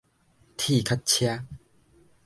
鐵殼車